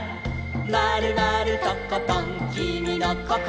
「まるまるとことんきみのこころは」